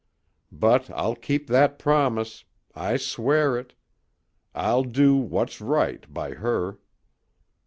But I'll keep that promise. I swear it. I'll do what's right by her."